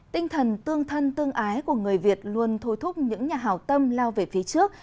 tinh thần tương thân tương ái của người việt luôn thôi thúc những nhà hào tâm lao về phía trước